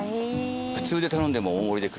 普通で頼んでも大盛りで。